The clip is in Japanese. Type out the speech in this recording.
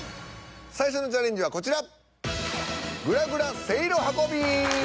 最初のチャレンジはこちら。